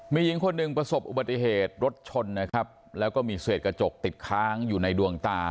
มีหญิงคนหนึ่งประสบอุบัติเหตุรถชนนะครับแล้วก็มีเศษกระจกติดค้างอยู่ในดวงตา